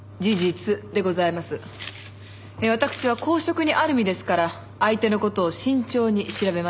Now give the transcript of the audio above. わたくしは公職にある身ですから相手の事を慎重に調べました。